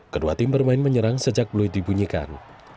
kedua tim bermain menyerang sejak beluit dibunyikan